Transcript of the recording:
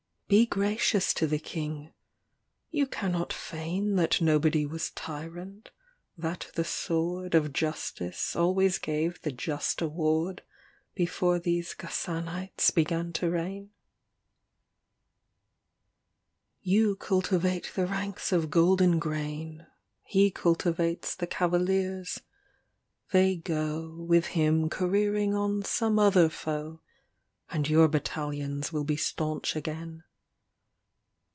LXXVX Be gracious to the King. You canot feign That nobody was tyrant, that the sword Of justice always gave the just award Before these Ghassanites began to reign. LX XVII You cultivate the ranks of golden grain, He cultivates the cavaliers. They go With him careering on some other foe, And your battalions will be staunch again.